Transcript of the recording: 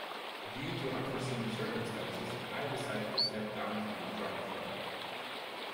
Due to unforeseen circumstances, I've decided to step down from the drum throne.